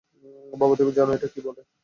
বাবা, তুমি জানো এটাকে কী বলে?